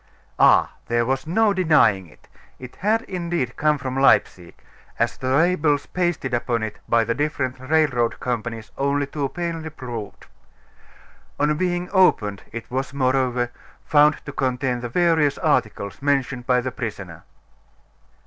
Ah! there was no denying it. It had, indeed, come from Leipsic; as the labels pasted upon it by the different railroad companies only too plainly proved. On being opened, it was, moreover, found to contain the various articles mentioned by the prisoner.